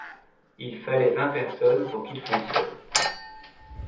Il fallait vingt personnes pour qu'il fonctionne.